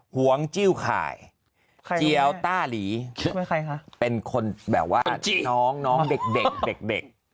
หวงจิ้วข่ายเจียวต้าหลีเป็นคนแบบว่าน้องเด็กเด็ก